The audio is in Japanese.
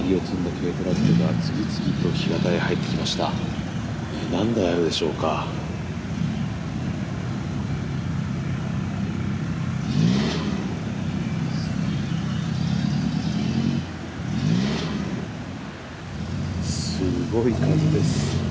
軽トラックが次々と干潟へ入ってきました何台あるでしょうかすごい数です